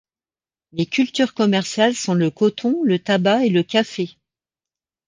Les cultures commerciales sont le coton, le tabac et le café.